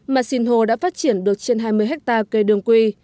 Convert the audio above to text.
mà sinh hồ đã phát triển được trên hai mươi hectare cây đương quy